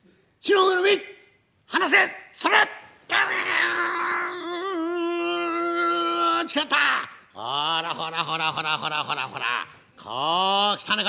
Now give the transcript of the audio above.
ほらほらほらほらほらほらほらこう来たのか！